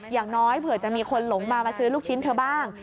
อย่างน้อยเผื่อจะมีคนหลงมามาซื้อลูกชิ้นเธอบ้าง